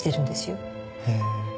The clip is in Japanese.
へえ。